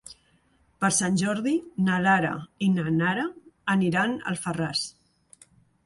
Per Sant Jordi na Lara i na Nara aniran a Alfarràs.